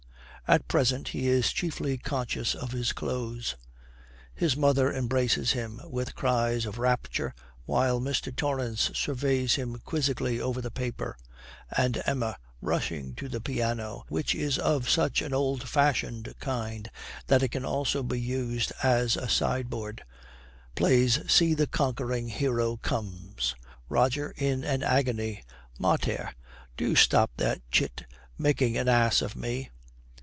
At present he is chiefly conscious of his clothes. His mother embraces him with cries of rapture, while Mr. Torrance surveys him quizzically over the paper; and Emma, rushing to the piano, which is of such an old fashioned kind that it can also be used as a sideboard, plays 'See the Conquering Hero Comes.' ROGER, in an agony, 'Mater, do stop that chit making an ass of me.'